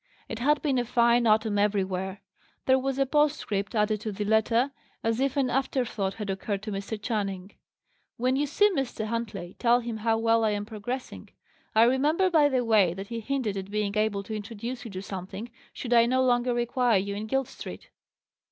It had been a fine autumn everywhere. There was a postscript added to the letter, as if an afterthought had occurred to Mr. Channing. "When you see Mr. Huntley, tell him how well I am progressing. I remember, by the way, that he hinted at being able to introduce you to something, should I no longer require you in Guild Street."